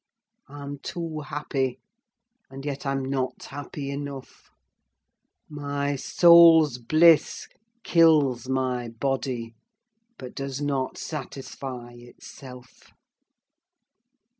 I'm too happy; and yet I'm not happy enough. My soul's bliss kills my body, but does not satisfy itself."